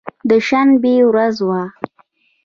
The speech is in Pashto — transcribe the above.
د شنبې ورځ وه.